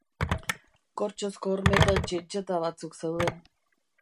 Kortxozko hormetan txintxeta batzuk zeuden.